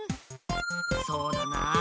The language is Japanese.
そうだな。